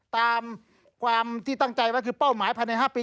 ตามความที่ตั้งใจไว้คือเป้าหมายภายใน๕ปี